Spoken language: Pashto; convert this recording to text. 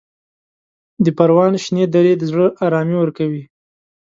د پروان شنې درې د زړه ارامي ورکوي.